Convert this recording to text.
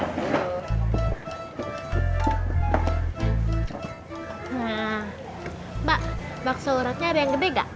nah mbak bakso urutnya ada yang gede gak